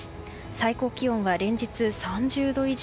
最高気温は連日、３０度以上。